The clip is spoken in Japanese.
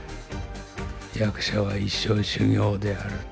「役者は一生修業である」と。